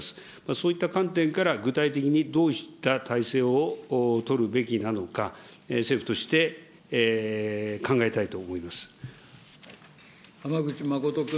そういった観点から、具体的にどうした体制を取るべきなのか、政府として考えたいと思浜口誠君。